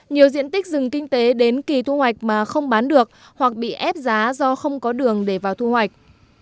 nhiều diện tích rừng kinh tế đến kỳ thu hoạch mà không bán được hoặc bị ép giá do không có đường để vào thu hoạch